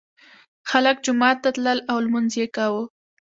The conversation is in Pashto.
خلک جومات ته تلل او لمونځ یې کاوه.